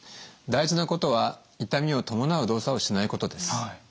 大事なことは痛みを伴う動作をしないことです。